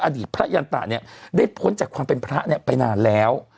อดีตพระยันตะเนี่ยได้พ้นจากความเป็นพระไปนานแล้ว